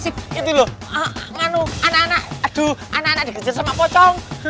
itu loh anak anak dikejar sama bocong